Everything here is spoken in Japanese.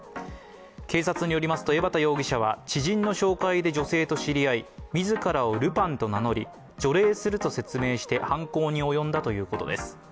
警察によりますと江畑容疑者は知人の紹介で女性と知り合い自らをルパンと名乗り除霊すると説明して犯行に及んだということです。